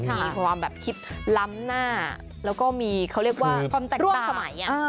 มีความแบบคิดล้ำหน้าแล้วก็มีเขาเรียกว่าความแตกร่วมสมัย